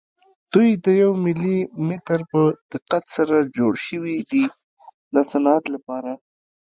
دوی د یو ملي متر په دقت سره جوړ شوي دي د صنعت لپاره.